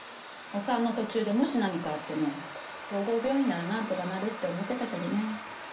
お産の途中でもし何かあっても総合病院ならなんとかなるって思ってたけどね。